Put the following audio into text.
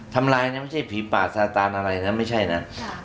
ทำลายเนี้ยไม่ใช่ผีป่าซาตานอะไรนะไม่ใช่น่ะใช่